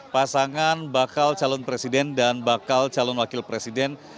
pasangan bakal calon presiden dan bakal calon wakil presiden